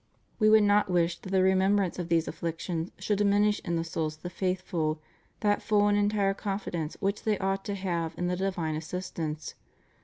We would not wish that the remembrance of these afflictions should diminish in the souls of the faithful that full and entire confidence which they ought to have in the divine assistance.